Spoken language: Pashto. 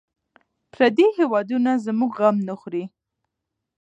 پردي هېوادونه زموږ غم نه خوري.